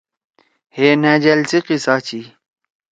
ہے نھأجال سی قصہ چھی۔